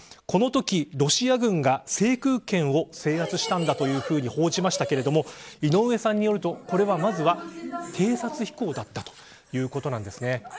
このとき、ロシア軍が制空権を制圧したんだと報じましたけれども井上さんによると、これはまずは偵察飛行だったということなんですね。